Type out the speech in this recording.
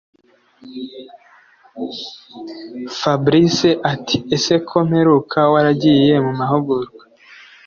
fabric ati”ese ko mperuka waragiye mumahugurwa